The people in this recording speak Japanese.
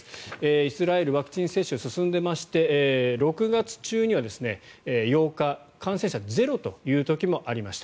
イスラエルはワクチン接種進んでまして、６月中には８日、感染者ゼロという時もありました。